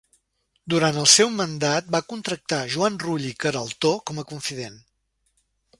Durant el seu mandat va contractar Joan Rull i Queraltó com a confident.